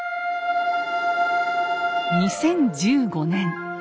２０１５年。